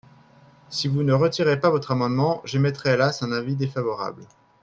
Si vous ne retirez pas votre amendement, j’émettrai hélas un avis défavorable.